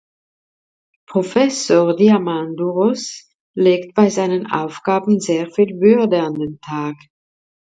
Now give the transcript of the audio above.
Professor Diamandouros legt bei seinen Aufgaben sehr viel Würde an den Tag.